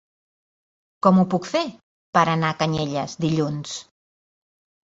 Com ho puc fer per anar a Canyelles dilluns?